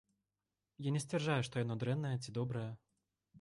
Я не сцвярджаю, што яно дрэннае ці добрае.